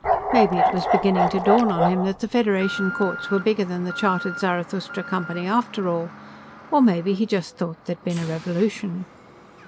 Maybe it was beginning to dawn on him that the Federation courts were bigger than the chartered Zarathustra Company after all. Or maybe he just thought there'd been a revolution.